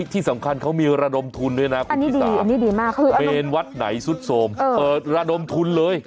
ที่สำคัญเขามีระดมทุนด้วยนะอันนี้ดีอันนี้ดีมากเมนวัดไหนสุดโสมเปิดระดมทุนเลย